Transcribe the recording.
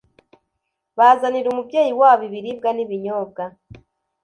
bazanira umubyeyi wabo ibiribwa n'ibinyobwa